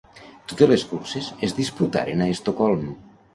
Totes les curses es disputaren a Estocolm.